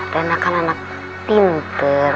rena kan anak pinter